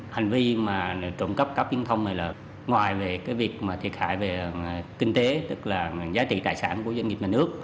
hành vi mà trộm cắp cáp viễn thông này là ngoài việc thiệt hại về kinh tế tức là giá trị tài sản của doanh nghiệp và nước